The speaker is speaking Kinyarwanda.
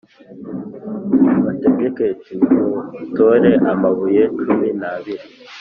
ubategeke uti Nimutore amabuye cumi n abiri